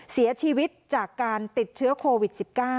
เสียชีวิตจากการติดเชื้อโควิด๑๙